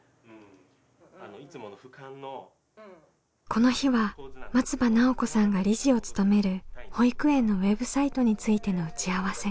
この日は松場奈緒子さんが理事を務める保育園のウェブサイトについての打ち合わせ。